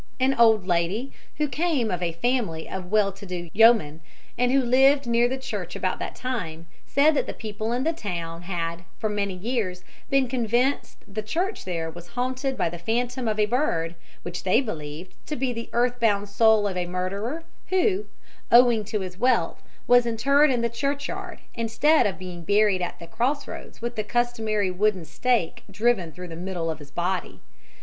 An old lady, who came of a family of well to do yeomen, and who lived near the church about that time, said that the people in the town had for many years been convinced the church there was haunted by the phantom of a bird, which they believed to be the earth bound soul of a murderer, who, owing to his wealth, was interred in the churchyard, instead of being buried at the cross roads with the customary wooden stake driven through the middle of his body.